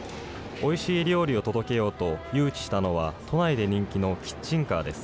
おいしい料理を届けようと誘致したのは、都内で人気のキッチンカーです。